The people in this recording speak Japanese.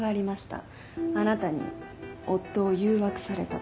あなたに夫を誘惑されたと。